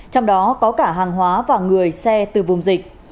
trong đó có cả hàng hóa và người xe từ vùng dịch